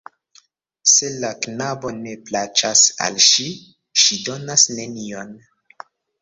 Se la knabo ne plaĉas al ŝi, ŝi donas nenion.